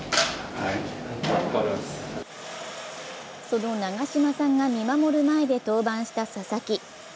その長嶋さんが見守る前で登板した佐々木。